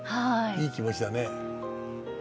いい気持ちだね。